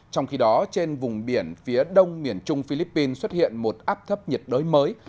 trong khi đó trên vùng biển phía đông miền trung philippines xuất hiện một áp thấp nhiệt đới mới